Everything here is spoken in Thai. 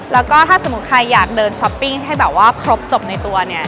แล้วก็ถ้าสมมุติใครอยากเดินช้อปปิ้งให้แบบว่าครบจบในตัวเนี่ย